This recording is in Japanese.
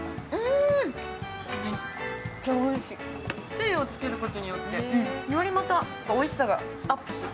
つゆをつけることによって、よりまた、おいしさがアップする。